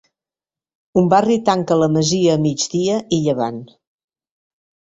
Un barri tanca la masia a migdia i llevant.